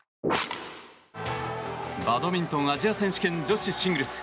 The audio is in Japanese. バドミントンアジア選手権女子シングルス。